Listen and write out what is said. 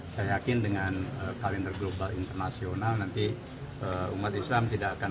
saya yakin dengan kalender global internasional nanti umat islam tidak akan